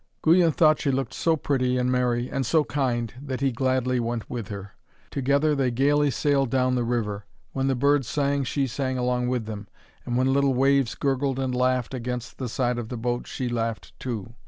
Guyon thought she looked so pretty and merry, and so kind, that he gladly went with her. Together they gaily sailed down the river. When the birds sang, she sang along with them, and when little waves gurgled and laughed against the side of the boat, she laughed too.